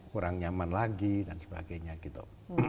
kurang nyaman lagi dan sebagainya gitu